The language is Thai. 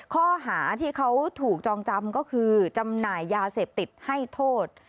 ข้อหาที่เขาถูกจองจำก็คือจำหน่ายยาเสพติดให้โทษ